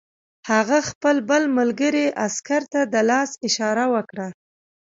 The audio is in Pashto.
هغه خپل بل ملګري عسکر ته د لاس اشاره وکړه